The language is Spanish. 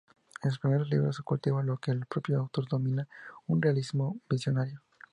En sus primeros libros cultivó lo que el propio autor denominaba un "realismo visionario".